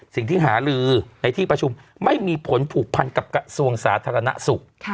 สิ่งที่หาลือในที่ประชุมไม่มีผลผูกพันกับกระทรวงสาธารณสุข